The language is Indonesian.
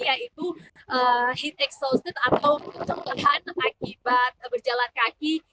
yaitu heat exhausted atau kecontohan akibat berjalan kaki